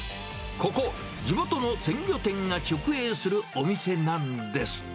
ここ、地元の鮮魚店が直営するお店なんです。